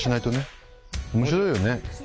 面白いよね？